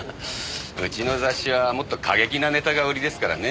うちの雑誌はもっと過激なネタが売りですからね。